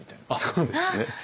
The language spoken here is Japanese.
そうですね。